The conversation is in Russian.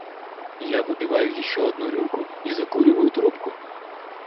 Я выпиваю ещё одну рюмку и закуриваю трубку.